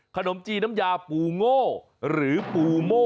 ขนมจีนน้ำยาปูโง่หรือปูโม่